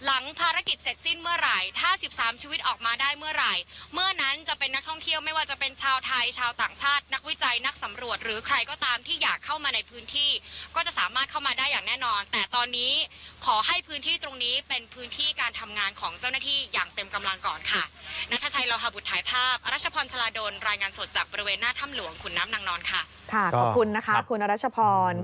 อาจจะเป็นชาวไทยชาวต่างชาตินักวิจัยนักสำรวจหรือใครก็ตามที่อยากเข้ามาในพื้นที่ก็จะสามารถเข้ามาได้อย่างแน่นอนแต่ตอนนี้ขอให้พื้นที่ตรงนี้เป็นพื้นที่การทำงานของเจ้าหน้าที่อย่างเต็มกำลังก่อนค่ะนักภาชัยราวหาบุตรถ่ายภาพ